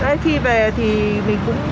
thế khi về thì mình cũng báo